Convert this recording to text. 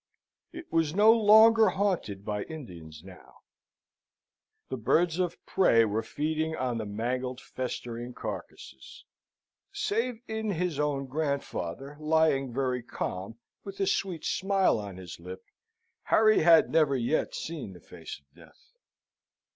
It was no longer haunted by Indians now. The birds of prey were feeding on the mangled festering carcases. Save in his own grandfather, lying very calm, with a sweet smile on his lip, Harry had never yet seen the face of Death.